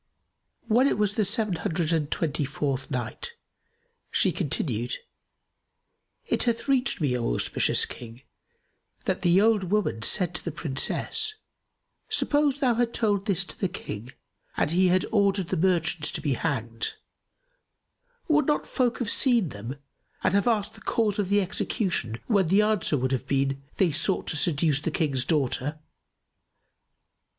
When it was the Seven Hundred and Twenty fourth Night, She continued, It hath reached me, O auspicious King, that the old woman said to the Princess, "Suppose thou had told this to the King and he had ordered the merchants to be hanged, would not folk have seen them and have asked the cause of the execution when the answer would have been, 'They sought to seduce the King's daughter?